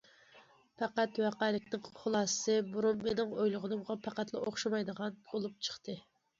پەقەت ۋەقەلىكنىڭ خۇلاسىسى بۇرۇن مېنىڭ ئويلىغىنىمغا پەقەتلا ئوخشىمايدىغان بولۇپ چىقتى.